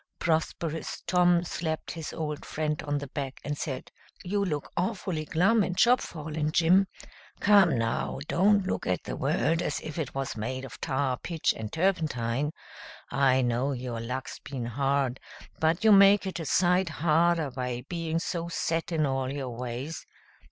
Prosperous Tom slapped his old friend on the back and said, "You look awfully glum and chopfallen, Jim. Come now, don't look at the world as if it was made of tar, pitch, and turpentine. I know your luck's been hard, but you make it a sight harder by being so set in all your ways.